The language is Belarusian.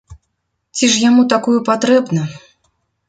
Ці ж яму такую патрэбна?